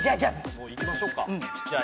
もういきましょうか。